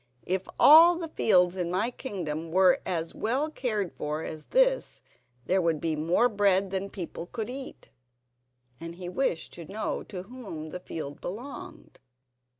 If all the fields in my kingdom were as well cared for as this, there would be more bread than my people could eat." And he wished to know to whom the field belonged.